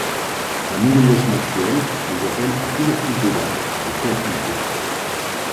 La mondialisation actuelle les appelle à toujours plus d’audace, de créativité.